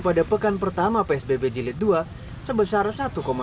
pada pekan pertama psbb jilid ii di jakarta